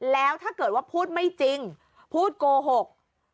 แล้วถ้าเกิดว่าพูดไม่จริงพูดโกหก